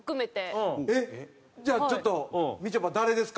じゃあちょっとみちょぱ誰ですか？